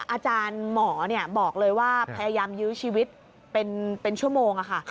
อาจารย์หมอบอกเลยว่าพยายามยื้อชีวิตเป็นชั่วโมงค่ะ